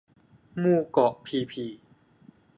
หมู่เกาะพีพี